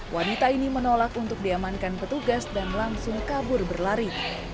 wanita ini menolak untuk diamankan petugas dan langsung kabur berlari